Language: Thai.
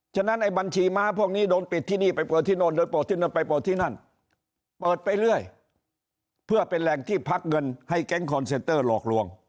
ฉะนั้นไอ้บัญชีม้าพวกนี้โดนปิดที่นี่ไปเปิดที่โน่น